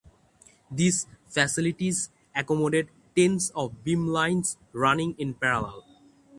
These facilities accommodate tens of beamlines running in parallel.